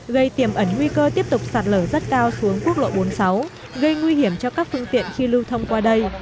gây tiềm ẩn nguy cơ tiếp tục sạt lở rất cao xuống quốc lộ bốn mươi sáu gây nguy hiểm cho các phương tiện khi lưu thông qua đây